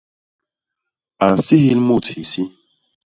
A nsihil mut isi.